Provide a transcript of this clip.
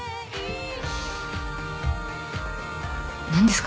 何ですか？